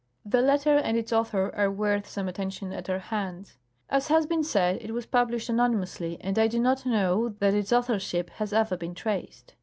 The letter and its author are worth some attention at our hands. As has been said, it was published anonymously, and I do not know that its authorship has ever been traced.